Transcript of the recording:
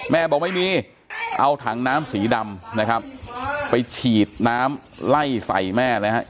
บอกไม่มีเอาถังน้ำสีดำนะครับไปฉีดน้ำไล่ใส่แม่เลยฮะ